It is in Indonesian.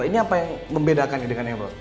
ini apa yang membedakannya dengan embl